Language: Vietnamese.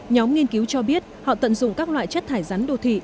nhóm nghiên cứu cho biết họ tận dụng các loại chất thải rắn đô thị